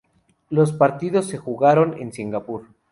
Los partidos se jugaron en Singapur.